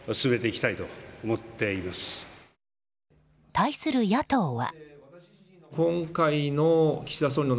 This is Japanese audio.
対する野党は。